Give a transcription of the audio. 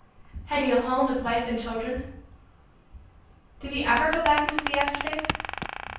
Had he a home with wife and children? Did he ever go back into the Yesterdays?